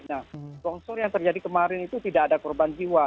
nah longsor yang terjadi kemarin itu tidak ada korban jiwa